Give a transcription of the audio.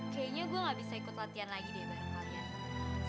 kayaknya gue gak bisa ikut latihan lagi deh bareng kalian